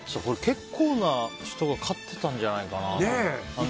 結構な人が飼ってたんじゃないかな。